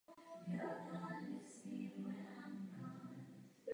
Potřebujeme právní ustanovení upravující práva jednotlivců při používání internetu.